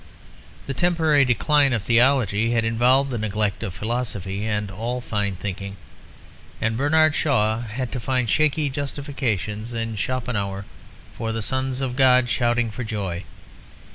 The temporary decline of theology had involved the neglect of philosophy and all fine thinking; and Bernard Shaw had to find shaky justifications in Schopenhauer for the sons of God shouting for joy.